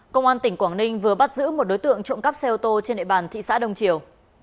công an tỉnh quảng ninh vừa bắt giữ một đối tượng trộm cắp xe ô tô trên địa bàn thị xã đông triều